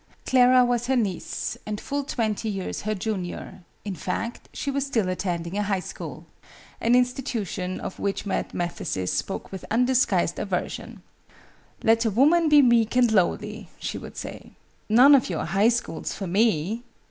Clara was her niece, and full twenty years her junior; in fact, she was still attending a High School an institution of which Mad Mathesis spoke with undisguised aversion. "Let a woman be meek and lowly!" she would say. "None of your High Schools for me!"